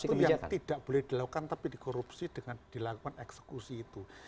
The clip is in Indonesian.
itu yang tidak boleh dilakukan tapi dikorupsi dengan dilakukan eksekusi itu